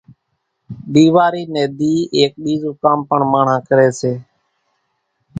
ۮيواري نين ۮي ايڪ ٻيزون ڪام پڻ ماڻۿان ڪري سي